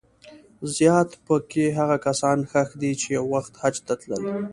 زیات په کې هغه کسان ښخ دي چې یو وخت حج ته تلل.